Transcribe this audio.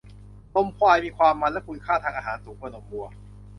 นมควายมีความมันและคุณค่าทางอาหารสูงกว่านมวัว